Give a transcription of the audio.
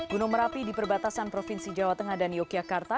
gunung merapi di perbatasan provinsi jawa tengah dan yogyakarta